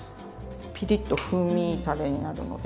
ピリッと風味たれになるので。